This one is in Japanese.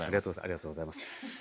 ありがとうございます。